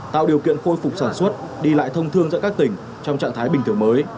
tạo điều kiện khôi phục sản xuất đi lại thông thương giữa các tỉnh trong trạng thái bình thường mới